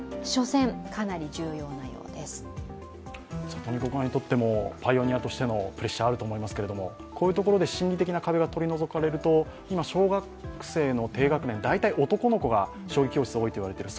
里見五冠にとってもパイオニアとしてのプレッシャーがあると思いますけどこういうところで心理的な壁が取り除かれると、今小学生の低学年、大体男の子が将棋教室、多いといわれている。